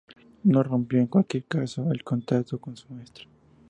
No rompió, en cualquier caso, el contacto con su maestra.